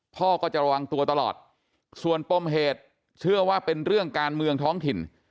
พ่อก็จะระวังตัวตลอดส่วนปมเหตุเชื่อว่าเป็นเรื่องการเมืองท้องถิ่น